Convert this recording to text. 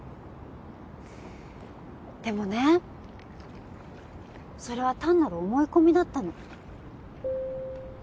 でもねそれは単なる思い込みだったの。